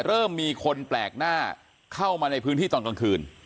เริ่มมีคนแปลกหน้าเข้ามาในพื้นที่ตอนกลางคืน